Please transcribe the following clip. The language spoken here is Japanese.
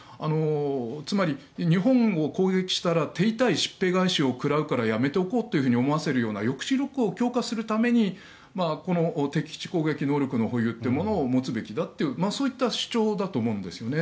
つまり、日本を攻撃したら手痛いしっぺ返しを食らうからやめておこうと思わせるような抑止力を強化するためにこの敵基地攻撃能力の保有を持つべきだというそういった主張だと思うんです。